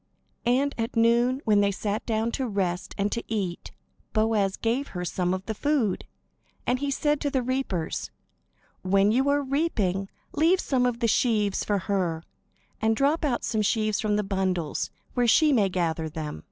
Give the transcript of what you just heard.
And at noon, when they sat down to rest and to eat, Boaz gave her some of the food. And he said to the reapers: "When you are reaping, leave some of the sheaves for her; and drop out some sheaves from the bundles, where she may gather them."